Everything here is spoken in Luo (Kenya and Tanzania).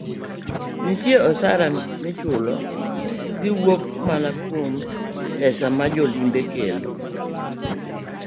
Nikech osara michulo gi wuok mana kuom pesa ma jo limbe kelo.